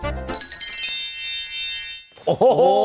เป็นของขวัญวันเกิดเหรอคะ